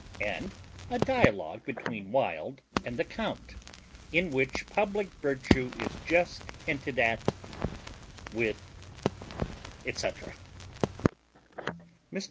AND A DIALOGUE BETWEEN WILD AND THE COUNT, IN WHICH PUBLIC VIRTUE IS JUST HINTED AT, WITH, ETC. Mr.